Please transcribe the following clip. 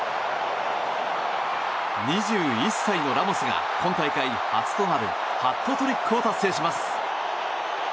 ２１歳のラモスが今大会初となるハットトリックを達成します。